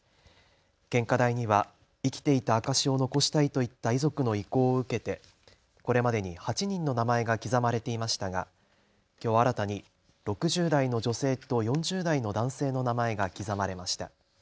献花台には生きていた証しを残したいといった遺族の意向を受けてこれまでに８人の名前が刻まれていましたがきょう新たに６０代の女性と４０代の男性の名前が刻まれました。